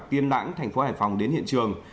tiên lãng thành phố hải phòng đến hiện trường